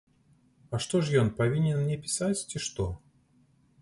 А што ж ён павінен мне пісаць, ці што?